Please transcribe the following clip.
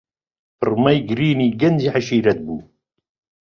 پڕمەی گرینی گەنجی عەشیرەت بوو.